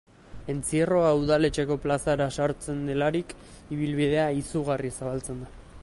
Entzierroa Udaletxeko plazara sartzen delarik, ibilbidea izugarri zabaltzen da.